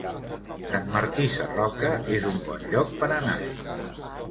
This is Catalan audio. Sant Martí Sarroca es un bon lloc per anar-hi